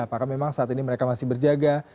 apakah memang saat ini mereka masih berjaga